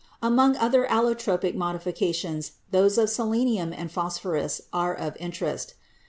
Among other allotropic modifications those of selenium and phosphorus are of interest.